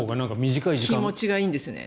気持ちがいいんですよね。